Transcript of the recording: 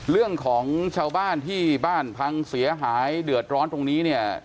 เรื่องของชาวบ้านที่บ้านพังเสียหายเดือดร้อนตรงนี้เนี่ย